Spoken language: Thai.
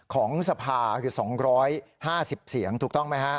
ของสภาคือ๒๕๐เสียงถูกต้องไหมฮะ